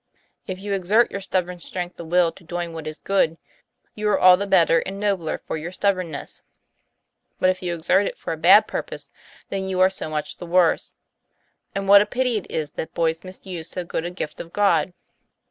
If you exert your stubborn strength of will to doing what is good, you are all the better and nobler for your stubbornness. But if you exert it for a bad purpose, then you are so much the worse. And what a pity it is that boys misuse so good a gift of God!